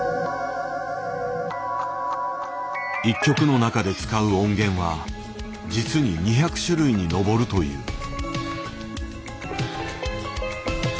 １曲の中で使う音源は実に２００種類に上るという。